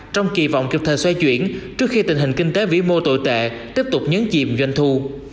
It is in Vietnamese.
trong kỳ vọng kịp thời xoay chuyển trước khi tình hình kinh tế vĩ mô tồi tệ tiếp tục nhấn chìm doanh thu